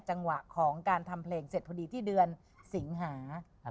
จังหวะของการทำเพลงเสร็จพอดีที่เดือนสิงหา